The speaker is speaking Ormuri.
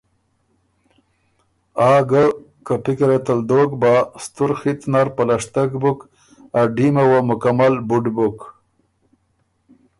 آ ګۀ، که پِکِره ت ال دوک بَۀ، ستُر خِط نر پلشتک بُک ا ډیمه وه مکمل بُډ بُک